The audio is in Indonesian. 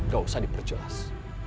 gak usah diperjelas